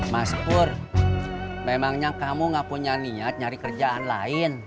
mas pur memangnya kamu gak punya niat nyari kerjaan lain